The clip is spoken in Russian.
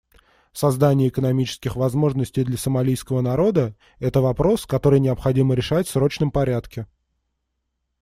Создание экономических возможностей для сомалийского народа — это вопрос, который необходимо решать в срочном порядке.